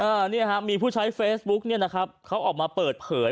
อันนี้ฮะมีผู้ใช้เฟซบุ๊กเนี่ยนะครับเขาออกมาเปิดเผย